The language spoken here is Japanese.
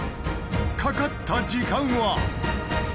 かかった時間は。